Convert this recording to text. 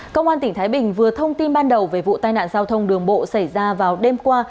công an tỉnh thái bình vừa thông tin ban đầu về vụ tai nạn giao thông đường bộ xảy ra vào đêm qua